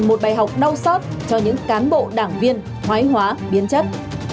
một bài học đau xót cho những cán bộ đảng viên hoái hóa biến chất